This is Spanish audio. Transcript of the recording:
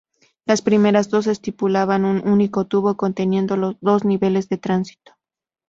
Las primeras dos estipulaban un único tubo conteniendo dos niveles de tránsito.